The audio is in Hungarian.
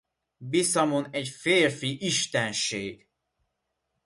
Bisamon egy férfi istenség.